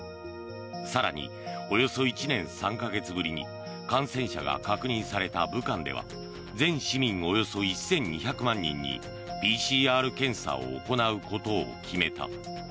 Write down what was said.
更におよそ１年３か月ぶりに感染者が確認された武漢では全市民およそ１２００万人にＰＣＲ検査を行うことを決めた。